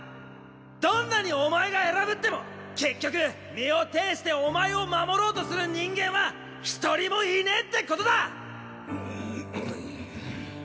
どんなにお前が偉ぶっても結局身を挺してお前を護ろうとする人間は一人もいねェってことだ！！